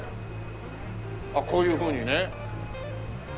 こういうふうにね。